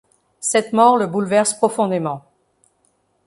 Cette mort le bouleverse profondément.